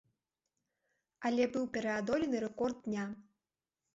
Але быў пераадолены рэкорд дня.